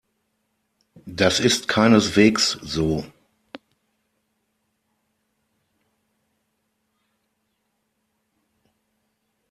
Das ist keineswegs so.